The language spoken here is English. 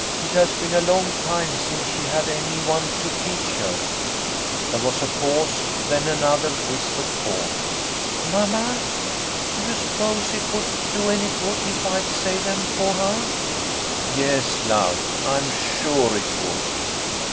" It has been a long time since she had any one to teach her." There was a pause, then another whis pered call. " Mamma, do you s'pose it would do any good if I'd say them for her?" " Yes, love, I am sure it would."